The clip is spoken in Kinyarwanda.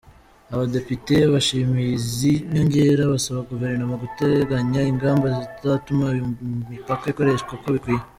Abadepite bashimye izi nyongera basaba Guverinoma guteganya ingamba zizatuma iyo mipaka ikoreshwa uko bikwiye.